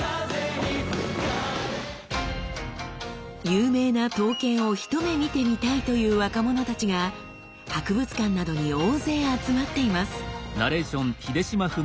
有名な刀剣を一目見てみたいという若者たちが博物館などに大勢集まっています。